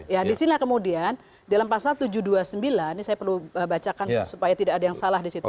ya disinilah kemudian dalam pasal tujuh ratus dua puluh sembilan ini saya perlu bacakan supaya tidak ada yang salah di situ